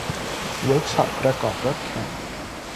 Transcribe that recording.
เวิร์คช็อปประกอบรถแข่ง